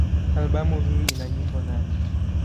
Albamu hii ina nyimbo nane.